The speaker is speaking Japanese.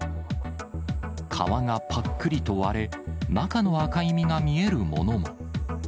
皮がぱっくりと割れ、中の赤い実が見えるものも。